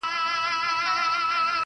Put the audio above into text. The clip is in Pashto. o ه تا خو تل تر تله په خپگان کي غواړم.